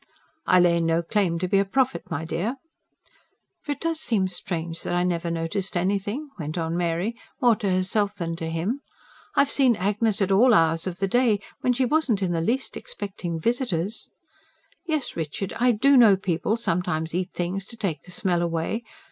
"I lay no claim to be a prophet, my dear." "For it does seem strange that I never noticed anything," went on Mary, more to herself than to him. "I've seen Agnes at all hours of the day... when she wasn't in the least expecting visitors. Yes, Richard, I do know people sometimes eat things to take the smell away.